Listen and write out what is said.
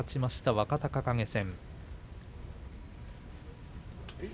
若隆景戦。